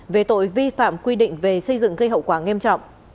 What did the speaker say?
về tội vi phạm quy định về xây dựng gây hậu quả nghiêm trọng